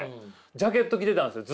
ジャケット着てたんすよ